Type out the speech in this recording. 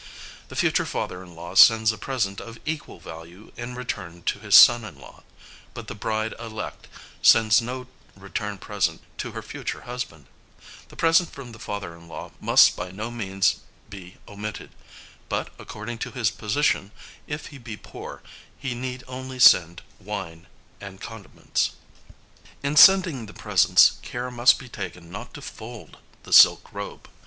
The future father in law sends a present of equal value in return to his son in law, but the bride elect sends no return present to her future husband; the present from the father in law must by no means be omitted, but according to his position, if he be poor, he need only send wine and condiments. In sending the presents care must be taken not to fold the silk robe.